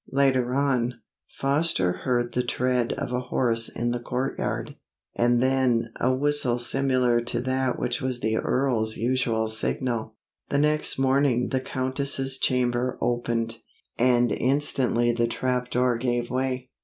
Later on, Foster heard the tread of a horse in the court yard, and then a whistle similar to that which was the Earl's usual signal. The next moment the Countess's chamber opened, and instantly the trapdoor gave way.